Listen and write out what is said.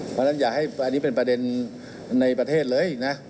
เพราะฉะนั้นอย่าให้อันนี้เป็นประเด็นในประเทศเลยนะอีกนะ